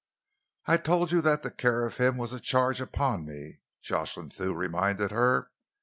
"I told you that the care of him was a charge upon me," Jocelyn Thew reminded her.